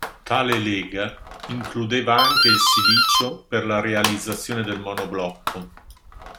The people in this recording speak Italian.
Tale lega includeva anche il silicio per la realizzazione del monoblocco.